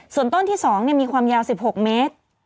ส่วนต้นที่๒มีความยาว๑๖เมตร